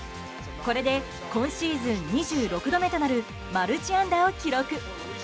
これで今シーズン２６度目となるマルチ安打を記録。